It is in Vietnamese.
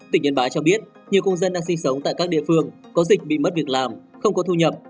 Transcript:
tỉnh yên bái cho biết nhiều công dân đang sinh sống tại các địa phương có dịch bị mất việc làm không có thu nhập